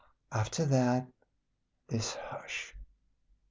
After that this hush.